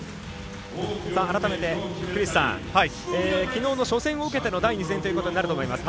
改めて、クリスさんきのうの初戦を受けての第２戦ということになると思います。